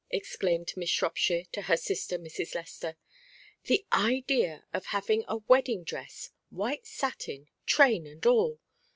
exclaimed Miss Shropshire to her sister, Mrs. Lester. "The idea of her having a wedding dress, white satin, train, and all.